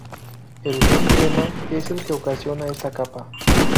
El gen crema es el que ocasiona esta capa.